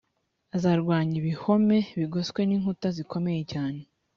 azarwanya ibihome bigoswe n inkuta zikomeye cyane